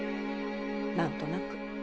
何となく。